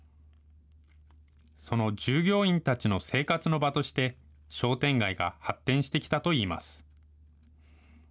その従業員たちの生活の場として、商店街が発展してきたといいます。